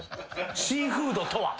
シーフードとは。